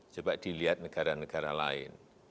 coba dilihat negara negara lain